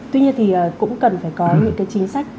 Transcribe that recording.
tuy nhiên thì cũng cần phải có những cái chính sách